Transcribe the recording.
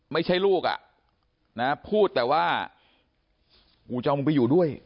ไม่ใช่ลูกอ่ะนะพูดแต่ว่ากูจะเอามึงไปอยู่ด้วย